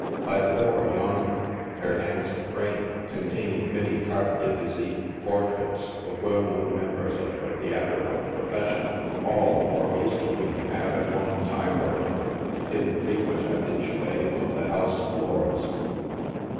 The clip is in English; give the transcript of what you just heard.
By the door, yonder, there hangs a frame, containing many carte dc visile portraits of well known members of the theatrical profession, all, or most of whom have, at one time or another, been frequent habitues of the House of Lords.